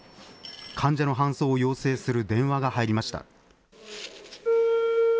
患者の搬送を要請する電話が入りました。